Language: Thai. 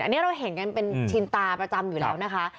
อันนี้เราเห็นกันเป็นชินตาประจำอยู่แล้วนะคะ